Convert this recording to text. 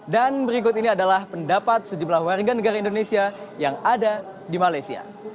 dan berikut ini adalah pendapat sejumlah warga negara indonesia yang ada di malaysia